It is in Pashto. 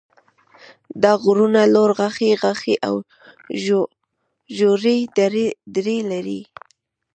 دا غرونه لوړ غاښي غاښي او ژورې درې لري.